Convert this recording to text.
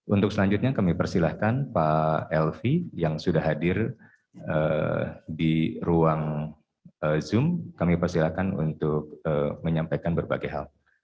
untuk selanjutnya kami persilahkan pak elvi yang sudah hadir di ruang zoom kami persilahkan untuk menyampaikan berbagai hal